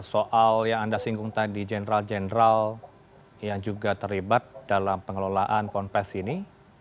soal yang anda singgun tadi general general yang juga terlibat dalam pengelolaan ponfes ini